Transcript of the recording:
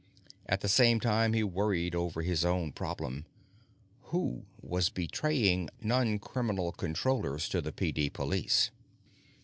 At the same time, he worried over his own problem. Who was betraying non criminal Controllers to the PD Police?